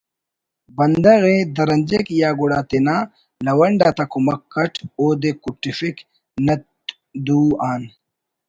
بندغ ءِ درنجک یا گڑا تینا لَونڈ آتا کمک اٹ اودے کُٹفک نت دو آن